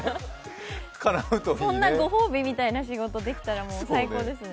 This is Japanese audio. そんなご褒美みたいな仕事できたら最高ですね。